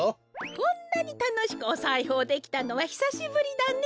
こんなにたのしくおさいほうできたのはひさしぶりだね。